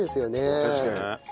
確かに。